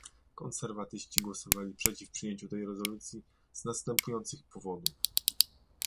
Konserwatyści głosowali przeciw przyjęciu tej rezolucji z następujących powodów